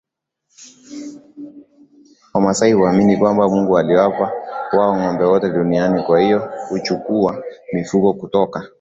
Wamasai huamini kwamba Mungu aliwapa wao ngombe wote duniani kwa hiyo kuchukua mifugo kutoka